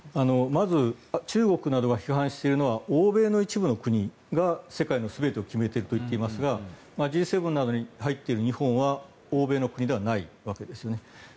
中国などが批判しているのは欧米の一部の国が世界の全てを決めていると言っていますがＧ７などに入っている日本は欧米の国ではないわけです。